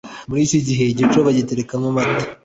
muri iki gihe igicuba bagiterekamo amata.